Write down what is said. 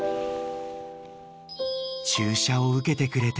［注射を受けてくれて］